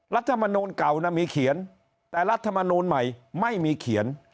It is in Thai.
รัฐมนูลเก่ามีเขียนแต่รัฐมนูลใหม่ไม่มีเขียน